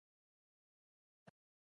کله چې بر شو پر منزل بیا به خبرې کوو